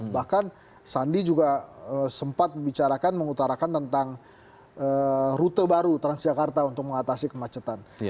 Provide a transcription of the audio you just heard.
bahkan sandi juga sempat membicarakan mengutarakan tentang rute baru transjakarta untuk mengatasi kemacetan